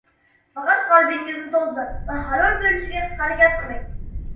faqat qalbingizning toza va halol bo‘lishiga harakat qiling.